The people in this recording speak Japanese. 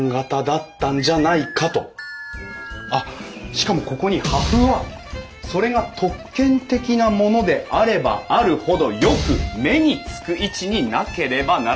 あっしかもここに「破風はそれが特権的なものであればあるほどよく目につく位置になければならない。